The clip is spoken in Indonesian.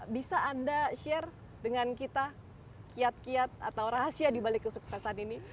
bisa anda share dengan kita kiat kiat atau rahasia dibalik kesuksesan ini